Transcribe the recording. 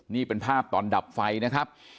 นี่เป็นภาพตอนดับไฟนะครับ